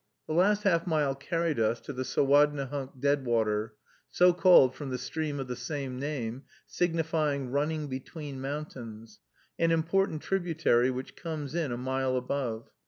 The last half mile carried us to the Sowadnehunk Deadwater, so called from the stream of the same name, signifying "running between mountains," an important tributary which comes in a mile above.